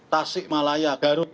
tasik malaya garut